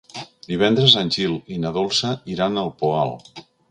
Divendres en Gil i na Dolça iran al Poal.